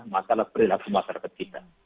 masalah perilaku masyarakat kita